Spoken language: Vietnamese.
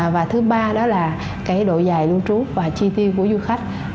và thứ ba đó là độ dài lưu trú và chi tiêu của du khách